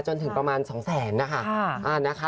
จนถึงประมาณ๒แสนนะคะ